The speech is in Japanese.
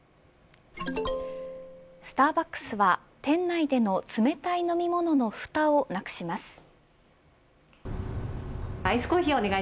スターバックスは、店内での冷たい飲み物のふたをなくします。